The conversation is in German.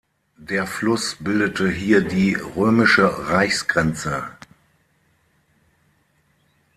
Der Fluss bildete hier die römische Reichsgrenze.